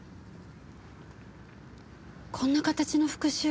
こんな形の復讐